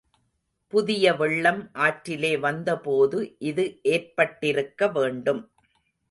புதிய வெள்ளம் ஆற்றிலே வந்த போது இது ஏற்பட்டிருக்க வேண்டும்.